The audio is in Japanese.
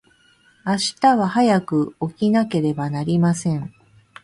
明日は早く起きなければなりません。